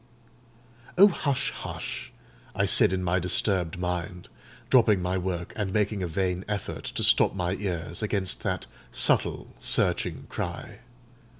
"Oh, hush! hush!" I said in my disturbed mind, dropping my work, and making a vain effort to stop my ears against that subtle, searching cry.